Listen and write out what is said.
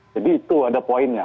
jadi itu ada poinnya